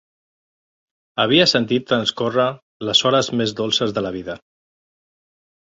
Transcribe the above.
Havia sentit transcórrer les hores més dolces de la vida.